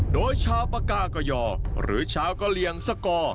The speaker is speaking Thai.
โดยชาวปากากยอหรือชาวกะเลียงสกอร์